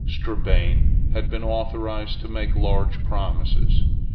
Strabane had been authorised to make large promises.